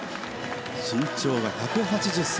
身長が１８０ｃｍ。